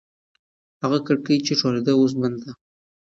هغه کړکۍ چې ښورېده اوس بنده ده.